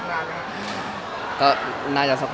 แล้วถ่ายละครมันก็๘๙เดือนอะไรอย่างนี้